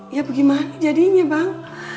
ya bagaimana jadinya bang